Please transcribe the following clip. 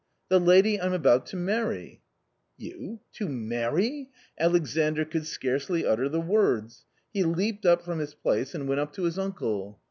" The lady I'm about to marry ?" "You — to marry!" Alexandr could scarcely utter the words; he leaped up from his place and went up to his uncle.